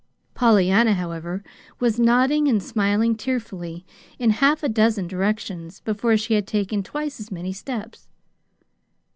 Pollyanna, however, was nodding and smiling tearfully in half a dozen directions before she had taken twice as many steps.